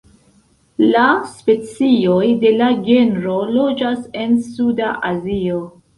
La specioj de la genro loĝas en Suda Azio.